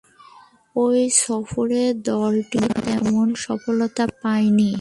ঐ সফরে দলটি তেমন সফলতা পায়নি।